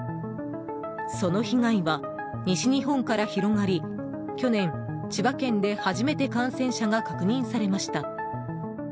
その被害は西日本から広がり去年、千葉県で初めて感染者が確認されました。